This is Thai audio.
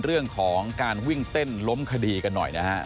เรื่องของการวิ่งเต้นล้มคดีกันหน่อยนะฮะ